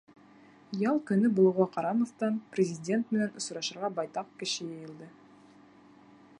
Ял көнө булыуға ҡарамаҫтан, Президент менән осрашырға байтаҡ кеше йыйылды.